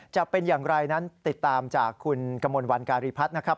จะเป็นอย่างไรนั้นติดตามจากคุณกมลวันการีพัฒน์นะครับ